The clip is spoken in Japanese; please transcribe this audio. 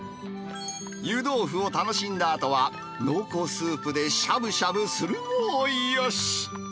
湯豆腐を楽しんだあとは、濃厚スープでしゃぶしゃぶするのもよし。